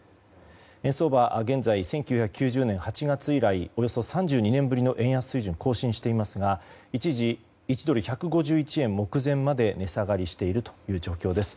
円相場現在、１９９０年８月以来およそ３２年ぶりの円安水準を更新していますが一時、１ドル＝１５１円目前まで値下がりしている状況です。